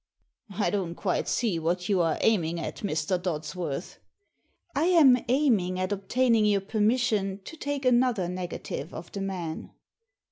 "I don't quite see what you are aiming at, Mr. Dodsworth." " I am aiming at obtaining your permission to take another negative of the man."